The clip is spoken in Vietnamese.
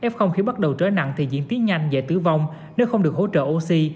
f khí bắt đầu trở nặng thì diễn tiến nhanh dễ tử vong nếu không được hỗ trợ oxy